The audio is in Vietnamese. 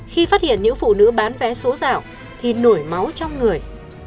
khi phát hiện những phụ nữ bán vé số dạo thì nổi máu trong người